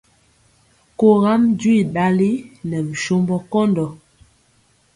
Kogam jwi ɗali nɛ bisombɔ kɔndɔ.